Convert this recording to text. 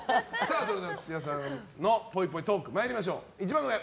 それでは、土屋さんのぽいぽいトーク参りましょう。